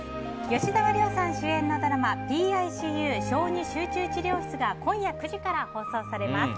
吉沢亮さん主演のドラマ「ＰＩＣＵ小児集中治療室」が今夜９時から放送されます。